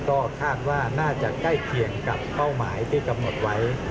ก็คาดว่าน่าจะใกล้เคียงกับเป้าหมายที่กำหนดไว้